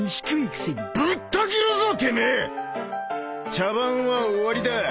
茶番は終わりだ。